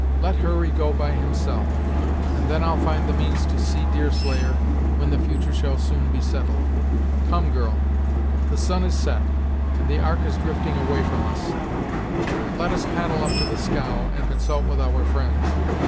Let Hurry go by himself, and then I'll find the means to see Deerslayer, when the future shall be soon settled. Come, girl, the sun has set, and the Ark is drifting away from us; let us paddle up to the scow, and consult with our friends.